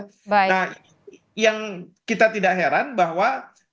nah yang kita tidak heran bahwa